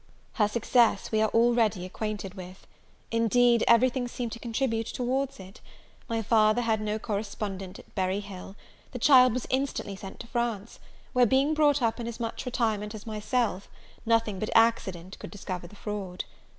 Her success we are already acquainted with. Indeed everything seemed to contribute towards it: my father had no correspondent at Berry Hill; the child was instantly sent to France; where, being brought up in as much retirement as myself, nothing but accident could discover the fraud.